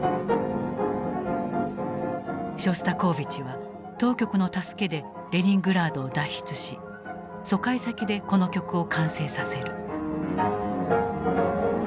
ショスタコーヴィチは当局の助けでレニングラードを脱出し疎開先でこの曲を完成させる。